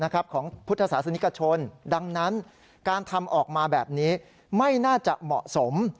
ของพุทธศาสนิกชนดังนั้นการทำออกมาแบบนี้ไม่น่าจะเหมาะสม